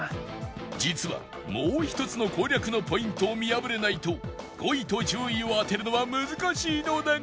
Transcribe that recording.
実はもう一つの攻略のポイントを見破れないと５位と１０位を当てるのは難しいのだがここで